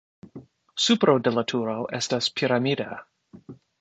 Supro de la turo estas piramida.